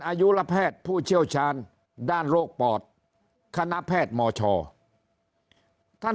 อายุและแพทย์ผู้เชี่ยวชาญด้านโรคปอดคณะแพทย์มชท่าน